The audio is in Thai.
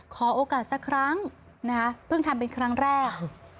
ขอโอกาสสักครั้งนะคะเพิ่งทำเป็นครั้งแรก